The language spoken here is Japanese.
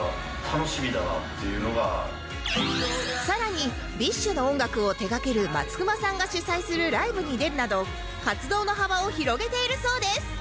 さらに ＢｉＳＨ の音楽を手がける松隈さんが主催するライブに出るなど活動の幅を広げているそうです